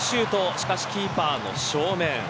しかし、キーパーの正面。